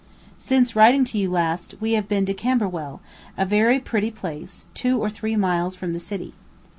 _ Since writing to you last we have been to Camberwell, a very pretty place, two or three miles from the city.